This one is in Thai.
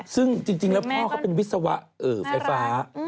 ซึ่งจริงแล้วพ่อเขาเป็นวิศวะไฟฟ้า